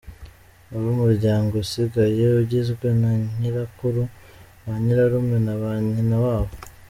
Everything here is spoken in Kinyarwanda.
Ubu umuryango usigaye ugizwe na nyirakuru, ba nyirarume na ba nyinawabo.